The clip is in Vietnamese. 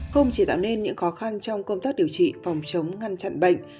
không chỉ tạo nên những khó khăn trong công tác điều trị phòng chống ngăn chặn bệnh